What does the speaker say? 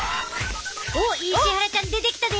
おっ石原ちゃん出てきたで。